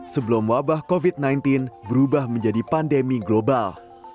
sebelum wabah covid sembilan belas berubah menjadi pandemi global